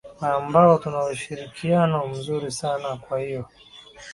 na ambao tunaushirikiano mzuri sana kwa hiyo